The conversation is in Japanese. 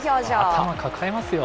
頭抱えますよ。